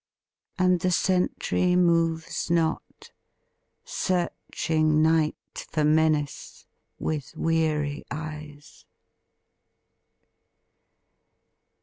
And the sentry moves not, searching Night for menace with weary eyes.